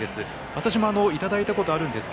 私もいただいたことがあります。